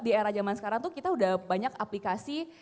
di era zaman sekarang tuh kita udah banyak aplikasi